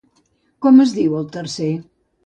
Com es diu el tercer?